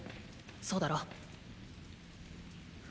そうだろ？